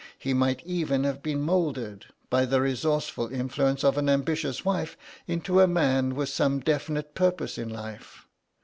He might even have been moulded, by the resourceful influence of an ambitious wife, into a man with some definite purpose in life.